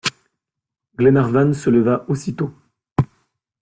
Glenarvan se leva aussitôt.